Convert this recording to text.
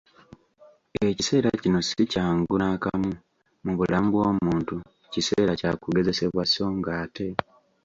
Ekiseera kino si kyangu nakamu mu bulamu bw'omuntu, kiseera kya kugezesebwa so ng'ate